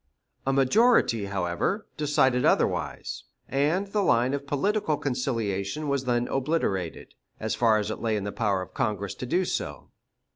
A majority, however, decided otherwise, and the line of political conciliation was then obliterated, as far as it lay in the power of Congress to do so.